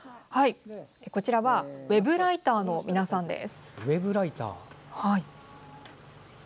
こちらはウェブライターの皆さんです。